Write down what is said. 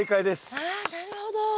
ああなるほど。